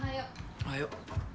おはよう。